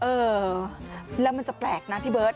เออแล้วมันจะแปลกนะพี่เบิร์ต